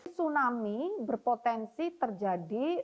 tsunami berpotensi terjadi